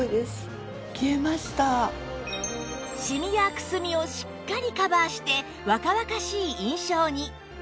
シミやくすみをしっかりカバーして若々しい印象に！